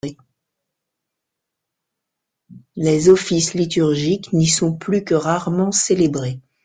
Les offices liturgiques n’y sont plus que rarement célébrés.